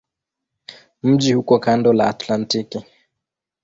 Mji uko kando la Atlantiki.